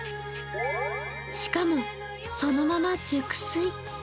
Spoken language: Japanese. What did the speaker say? しかも、そのまま熟睡。